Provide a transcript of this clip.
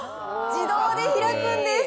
自動で開くんです。